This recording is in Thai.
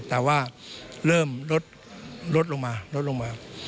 แต่ว่าเริ่มลดลงมา